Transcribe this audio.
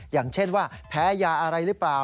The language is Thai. อย่างเช่นว่าแพ้ยาอะไรหรือเปล่า